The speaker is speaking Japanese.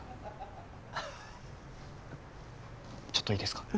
ちょっといいですか？